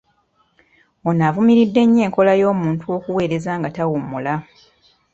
Ono avumiridde nnyo enkola y'omuntu okuweereza nga tawummula.